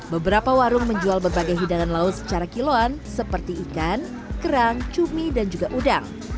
beberapa warung menjual berbagai hidangan laut secara kiloan seperti ikan kerang cumi dan juga udang